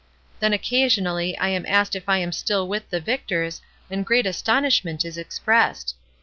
Then occasionally I am asked if I am still with the Victors, and great astonishment is expressed.